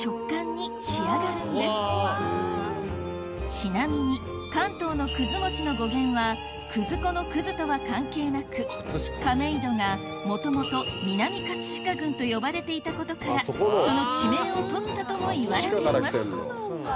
ちなみに関東のくず餅の語源はくず粉の「くず」とは関係なく亀戸がもともとと呼ばれていたことからその地名をとったともいわれています